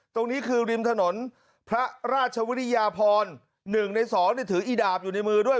ตรงนี้คือริมถนนพระราชวิริยาพร๑ใน๒ถืออีดาบอยู่ในมือด้วย